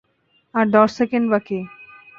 আর দশ সেকেন্ড বাকি।